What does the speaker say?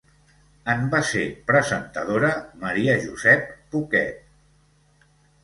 En va ser presentadora Maria Josep Poquet.